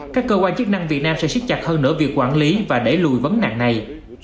các cơ quan chức năng việt nam sẽ siết chặt hơn nửa việc quản lý và để lùi vấn nặng này